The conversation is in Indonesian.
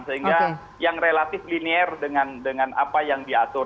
sehingga yang relatif linier dengan apa yang diatur